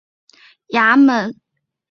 新召庙设有负责审判僧俗案件的衙门。